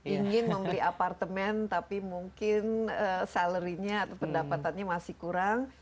ingin membeli apartemen tapi mungkin salary nya atau pendapatannya masih kurang